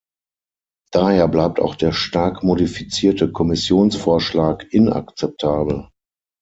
Daher bleibt auch der stark modifizierte Kommissionsvorschlag inakzeptabel.